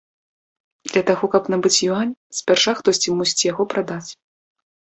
Для таго каб набыць юань, спярша хтосьці мусіць яго прадаць.